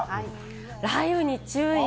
雷雨に注意。